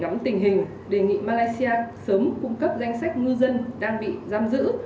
để ngắm tình hình đề nghị malaysia sớm cung cấp danh sách ngư dân đang bị giam giữ